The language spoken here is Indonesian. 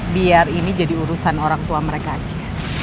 biar ini jadi urusan orang tua mereka aja